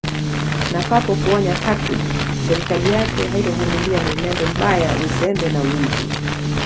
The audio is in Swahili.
Na papo kuonya katu serikali yake haitovumilia mwenendo mbaya uzembe na wizi